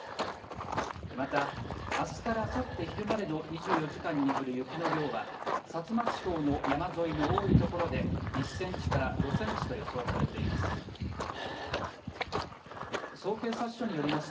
また、あすからあさっての昼までの２４時間に降る雪の量は薩摩地方の山沿いの多い所で１センチから５センチと予想されています。